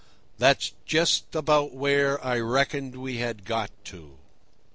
that's just about where I reckoned we had got to."